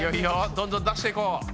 どんどん出していこう。